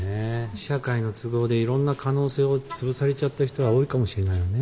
社会の都合でいろんな可能性を潰されちゃった人は多いかもしれないわね。